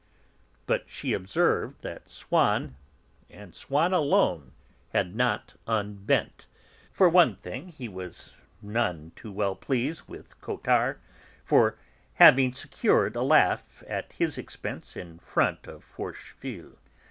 But she observed that Swann, and Swann alone, had not unbent. For one thing he was none too well pleased with Cottard for having secured a laugh at his expense in front of Forcheville.